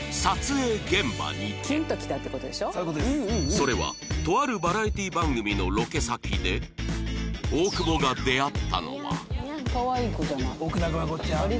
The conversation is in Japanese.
それはとあるバラエティー番組のロケ先で大久保が出会ったのは